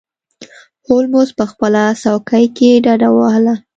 هولمز په خپله څوکۍ کې ډډه ووهله.